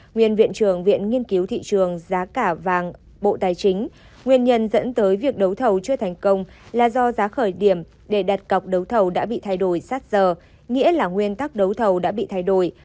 nguyên viện trưởng viện nghiên cứu thị trường giá cả vàng bộ tài chính nguyên nhân dẫn tới việc đấu thầu chưa thành công là do giá khởi điểm để đặt cọc đấu thầu đã bị thay đổi sát giờ nghĩa là nguyên tắc đấu thầu đã bị thay đổi